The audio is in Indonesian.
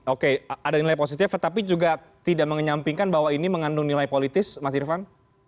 oke ada nilai positif tetapi juga tidak menyampingkan bahwa ini mengandung nilai politis mas irvan